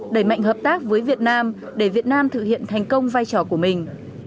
đẩy mạnh hợp tác với việt nam để việt nam thực hiện thành công vai trò của mình